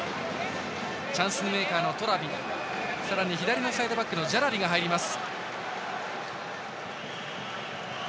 チャンスメイカーのトラビさらに左のサイドバックのジャラリが入ります。